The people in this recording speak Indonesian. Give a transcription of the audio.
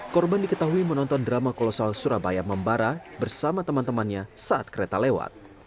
korban diketahui menonton drama kolosal surabaya membara bersama teman temannya saat kereta lewat